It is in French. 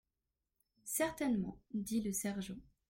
Certainement, dit le sergent.